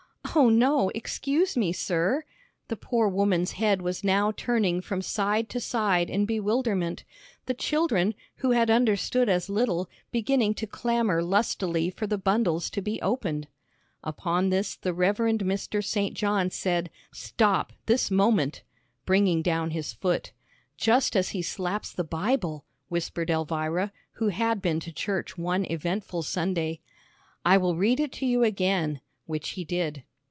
"Oh, no, excuse me, sir." The poor woman's head was now turning from side to side in bewilderment; the children, who had understood as little, beginning to clamor lustily for the bundles to be opened. Upon this the Rev. Mr. St. John said, "Stop, this moment!" bringing down his foot, "Just as he slaps the Bible," whispered Elvira, who had been to church one eventful Sunday. "I will read it to you again," which he did.